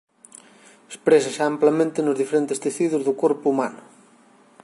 Exprésase amplamente nos diferentes tecidos do corpo humano.